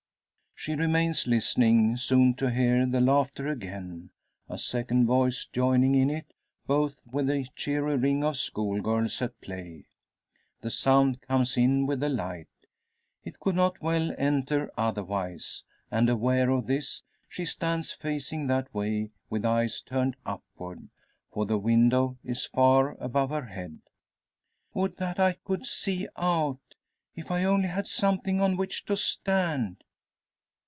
She remains listening, soon to hear the laughter again, a second voice joining in it, both with the cheery ring of school girls at play. The sound comes in with the light it could not well enter otherwise and aware of this, she stands facing that way, with eyes turned upward. For the window is far above her head. "Would that I could see out! If I only had something on which to stand!"